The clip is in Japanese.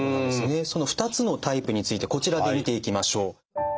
その２つのタイプについてこちらで見ていきましょう。